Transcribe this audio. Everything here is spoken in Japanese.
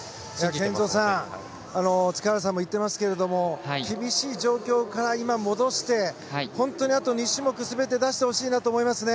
健三さん、塚原さんも言っていますけども厳しい状況から戻して残り２種目全てを出してほしいなと思いますね。